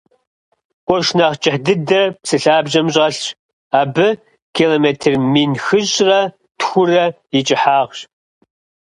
Къурш нэхь кӏыхь дыдэр псы лъабжьэм щӏэлъщ, абы километр мин хыщӏрэ тхурэ и кӏыхьагъщ.